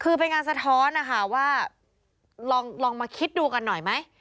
คือเป็นการสะท้อนนะคะว่าลองมาคิดดูกันหน่อยไหม